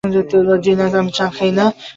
জ্বি-না, আমি চা খাই না।